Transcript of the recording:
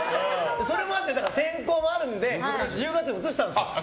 それもあって天候もあるので１０月に移したんですよ。